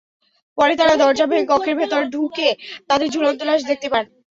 পরে তাঁরা দরজা ভেঙে কক্ষের ভেতরে ঢুকে তাঁদের ঝুলন্ত লাশ দেখতে পান।